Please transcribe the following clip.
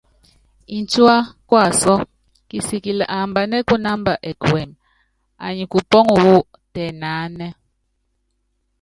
Ncúá kuasɔ́, kisikili ambanɛ́ kunámba ɛkuɛmɛ, anyi kupɔ́ŋɔ wú tɛnaánɛ.